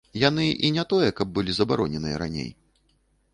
Яны і не тое каб былі забароненыя раней.